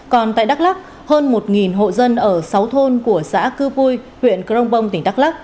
còn tại đắk lắc hơn một hộ dân ở sáu thôn của xã cư pui huyện crong bong tỉnh đắk lắc